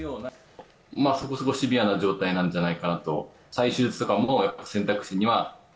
そこそこシビアな状態なんじゃないかなと。